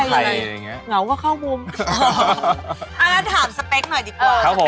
เพื่อสาวจะได้รู้จะเองตกสเปรกหรือเปล่าจะได้เข้ามา